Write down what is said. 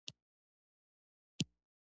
د طیارې سفر د نړۍ اقتصاد ته ګټه رسوي.